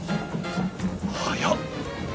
はや！